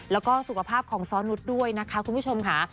แล้วก็สุขภาพของซ้อนุษย์ด้วยนะคะคุณผู้ชมค่ะ